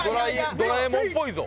ドラえもんっぽいぞ。